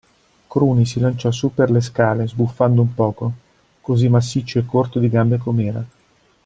Cruni si lanciò su per le scale, sbuffando un poco, cosí massiccio e corto di gambe com'era.